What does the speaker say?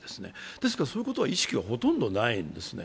ですから、そういうことは意識はほとんどないんですね。